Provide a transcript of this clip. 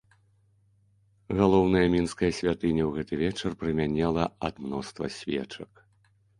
Галоўная мінская святыня ў гэты вечар прамянела ад мноства свечак.